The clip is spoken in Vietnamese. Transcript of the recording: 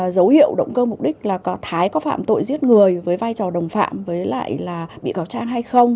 dấu hiệu động cơ mục đích là có thái có phạm tội giết người với vai trò đồng phạm với lại là bị cáo trang hay không